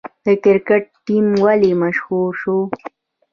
د کرکټ ټیم ولې مشهور شو؟